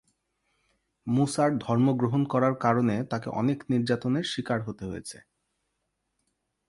মুসার ধর্ম গ্রহণ করার কারণে তাকে অনেক নির্যাতনের শিকার হতে হয়েছে।